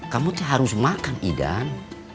kamu harus makan idan